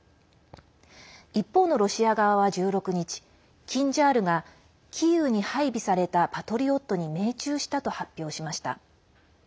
一方のロシア側は１６日「キンジャール」がキーウに配備された「パトリオット」に命中したと発表しました。